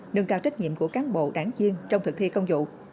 nâng cao trách nhiệm của cán bộ đảng viên trong thực thi công vụ